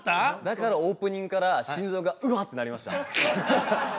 だからオープニングから心臓がうわってなりました